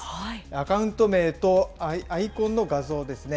アカウント名とアイコンの画像ですね。